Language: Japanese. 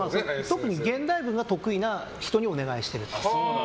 特に現代文が得意な人にお願いしています。